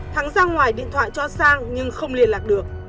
thắng ra ngoài điện thoại cho sang nhưng không liên lạc được